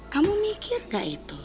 kamu mikir gak itu